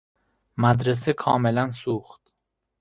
مدرسه کاملا سوخت.